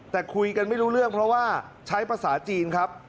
แต่คุยกันไม่รู้เรื่องเพราะว่าใช้ภาษาจีนครับ